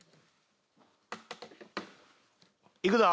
いくぞ。